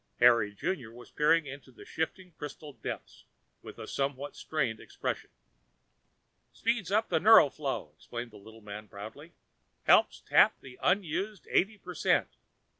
Harry Junior was peering into the shifting crystal depths with a somewhat strained expression. "Speeds up the neural flow," explained the little man proudly. "Helps tap the unused eighty per cent.